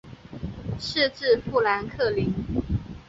县治富兰克林。